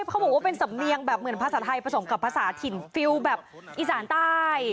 เขาบอกว่าเป็นสำเนียงแบบเหมือนภาษาไทยผสมกับภาษาถิ่นฟิลแบบอีสานใต้